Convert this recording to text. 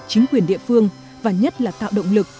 chính quyền địa phương và nhất là tạo động lực